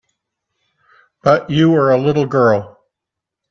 But you were a little girl.